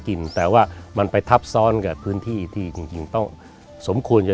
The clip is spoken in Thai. กินแต่ว่ามันไปทับซ้อนกับพื้นที่ที่จริงต้องสมควรจะ